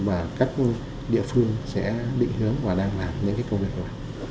và các địa phương sẽ định hướng và đang làm những cái công việc đó